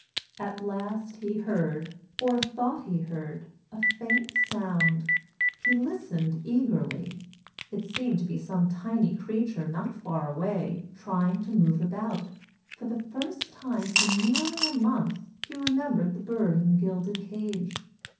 At last he heard, or thought he heard, a faint sound. He listened eagerly. It seemed to be some tiny creature not far away, trying to move about. For the first time for nearly a month, he remembered the bird in the gilded cage.